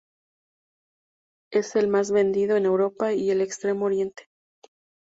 Es el más vendido en Europa y el Extremo Oriente.